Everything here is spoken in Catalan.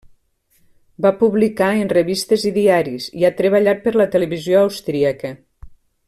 Va publicar en revistes i diaris i ha treballat per la televisió austríaca.